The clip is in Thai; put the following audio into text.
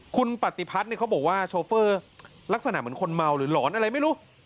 คุณปฏิพัฒน์เขาบอกว่าโชเฟอร์ลักษณะเหมือนคนเมาหรือหลอนอะไรไม่รู้